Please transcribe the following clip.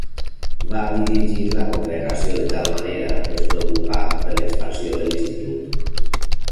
Va dirigir la congregació de tal manera que es preocupà per l'expansió de l'institut.